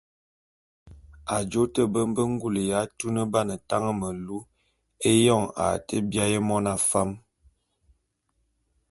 Ajô te a mbe ngule ya tuneban tañe melu éyoñ a te biaé mona fam.